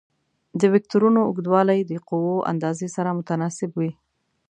د وکتورونو اوږدوالی د قوو اندازې سره متناسب وي.